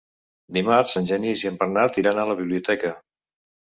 Dimarts en Genís i en Bernat iran a la biblioteca.